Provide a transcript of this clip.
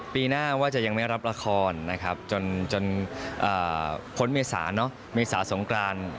ปีหน้าว่าจะยังไม่รับละครนะครับจนพ้นเมษาเมษาสงกราน